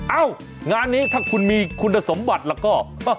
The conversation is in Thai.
เอ้างานนี้ถ้าคุณมีคุณสมบัติแล้วก็